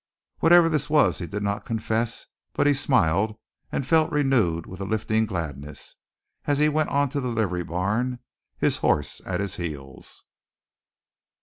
Whatever this was, he did not confess, but he smiled, and felt renewed with a lifting gladness, as he went on to the livery barn, his horse at his heels.